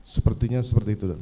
sepertinya seperti itu